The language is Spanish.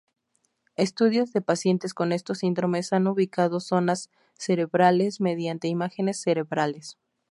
Estudios de pacientes con estos síndromes han ubicado zonas cerebrales mediante imágenes cerebrales.